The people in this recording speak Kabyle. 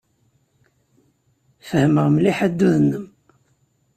Fehmeɣ mliḥ addud-nnem.